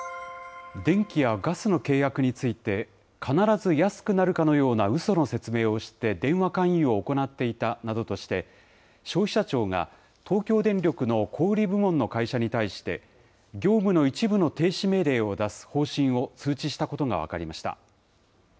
電気やガスの契約について、必ず安くなるかのようなうその説明をして、電話勧誘を行っていたなどとして、消費者庁が、東京電力の小売り部門の会社に対して、業務の一部の停止命令を出す方針を通知したことが分かりました。